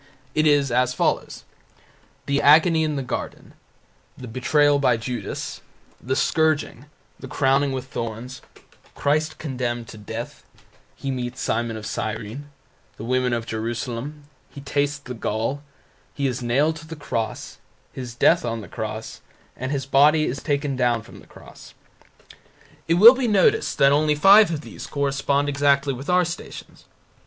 It is as follows: the Agony in the Garden; the betrayal by Judas; the scourging; the crowning with thorns; Christ condemned to death; He meets Simon of Cyrene; the women of Jerusalem; He tastes the gall; He is nailed to the cross; His death on the cross; andHis body is taken down from the cross. It will be noticed that only five of these correspond exactly with our Stations.